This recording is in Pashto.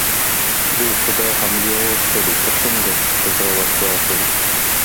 دوی خو د حملې هوډ کړی، که څنګه، چې په زړورتیا یې کوي؟